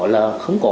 là không có